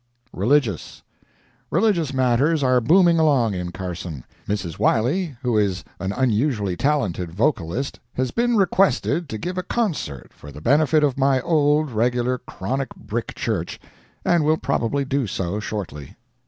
RELIGIOUS Religious matters are booming along in Carson. Mrs. Wiley, who is an unusually talented vocalist, has been requested to give a concert for the benefit of my old regular chronic brick church, and will probably do so shortly.